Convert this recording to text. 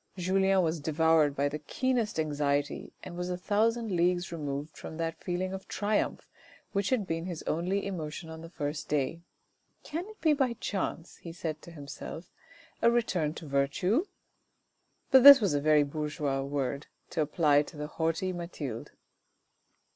Julien was devoured by the keenest anxiety and was a thousand leagues removed from that feeling of triumph which had been his only emotion on the first day. "Can it be by chance," he said to himself, "a return to virtue?" But this was a very bourgeois word to apply to the haughty Mathilde.